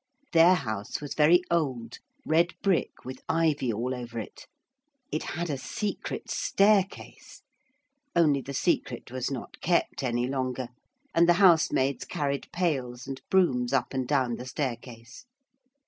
Their house was very old, red brick with ivy all over it. It had a secret staircase, only the secret was not kept any longer, and the housemaids carried pails and brooms up and down the staircase.